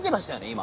今。